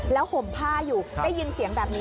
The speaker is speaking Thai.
ห่มผ้าอยู่ได้ยินเสียงแบบนี้